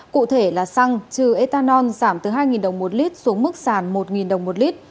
cụ thể là xăng trừ etanol giảm từ hai đồng một lít xuống mức xàn một đồng một lít